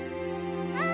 うん！